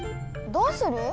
どうする？